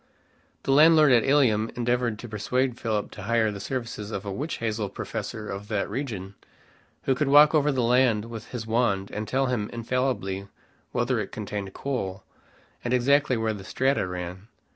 The landlord at Ilium endeavored to persuade Philip to hire the services of a witch hazel professor of that region, who could walk over the land with his wand and tell him infallibly whether it contained coal, and exactly where the strata ran.